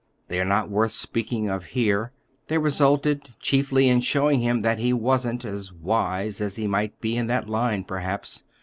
They are not worth speaking of here. They resulted, chiefly, in showing him that he wasn't—as wise as he might be in that line, perhaps."